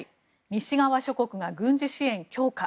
西側諸国が軍事支援を強化。